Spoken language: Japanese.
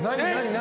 何？